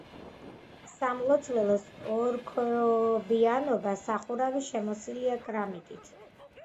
სამლოცველოს ორქანობიანი სახურავი შემოსილია კრამიტით.